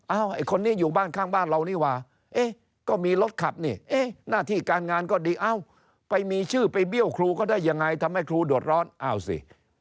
ไอ้คนนี้อยู่บ้านข้างบ้านเรานี่ว่าก็มีรถขับนี่หน้าที่การงานก็ดีเอ้าไปมีชื่อไปเบี้ยวครูก็ได้ยังไงทำให้ครูเดือดร้อนอ้าวสิ